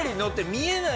見えない！